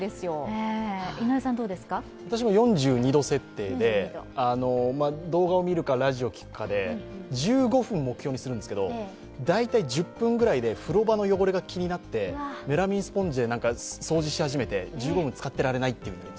私も４２度設定で、動画を見るかラジオを聞くかで１５分を目標にするんですけど、大体１０分ぐらいで風呂場の汚れが気になってメラミンスポンジで掃除をし始めて、１５分つかってられないという。